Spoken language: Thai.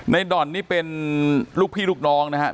ด่อนนี่เป็นลูกพี่ลูกน้องนะครับ